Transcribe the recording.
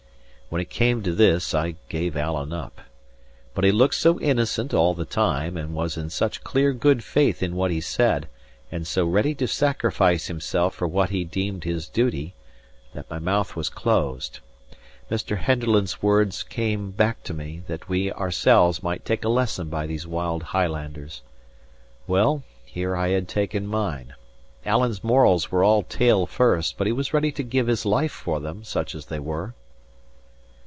When it came to this, I gave Alan up. But he looked so innocent all the time, and was in such clear good faith in what he said, and so ready to sacrifice himself for what he deemed his duty, that my mouth was closed. Mr. Henderland's words came back to me: that we ourselves might take a lesson by these wild Highlanders. Well, here I had taken mine. Alan's morals were all tail first; but he was ready to give his life for them, such as they were.